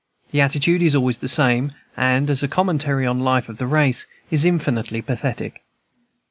The attitude is always the same, and, as a commentary on the life of the race, is infinitely pathetic.